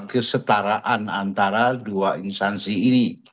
kesetaraan antara dua instansi ini